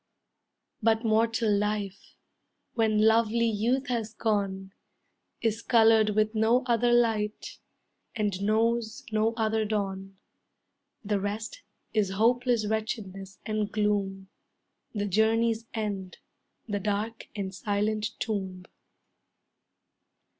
But mortal life, When lovely youth has gone, Is colored with no other light, And knows no other dawn. The rest is hopeless wretchedness and gloom; The journey's end, the dark and silent tomb.